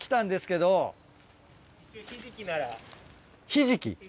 ひじき？